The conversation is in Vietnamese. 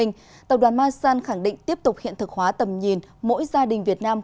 mỗi gia đình thực hóa tầm nhìn mỗi gia đình việt nam